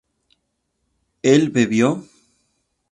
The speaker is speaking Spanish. ¿él bebió?